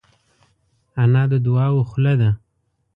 انا د دعاوو خوله ده